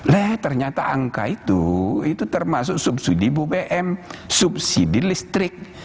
leh ternyata angka itu itu termasuk subsidi bbm subsidi listrik